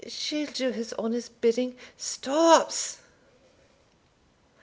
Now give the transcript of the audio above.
She'll do his honour's bidding stops!"